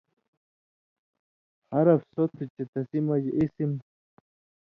حرف سو تُھو چے تسی مژ اسم